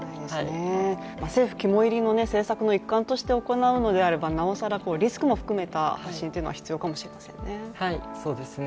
政府肝いりの政策の一環として行うのであれば、なおさらリスクも含めた発信というのは必要かもしれませんね。